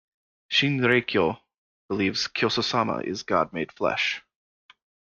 Shinreikyo believes Kyososama is God made flesh.